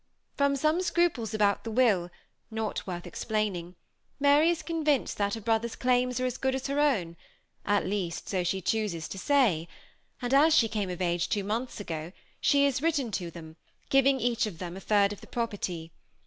From some scruples about the will, not worth explaining, Mary is convinced that her brothers' claims are as good as her own ; at least, so she chooses to say ; and as she came of age two months ago, she has written to them, giving each of them a third of the property.